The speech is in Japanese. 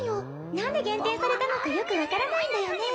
何で減点されたのかよく分からないんだよね